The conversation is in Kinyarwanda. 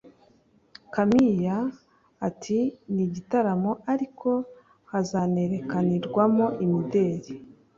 Camille ati “Ni igitaramo ariko hazanerekanirwamo imideli